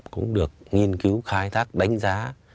cũng được nghiên cứu khai thác đánh giá